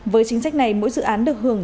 với chính sách này mỗi dự án được hưởng